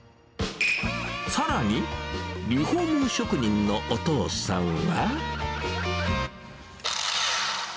さらに、リフォーム職人のお父さんは。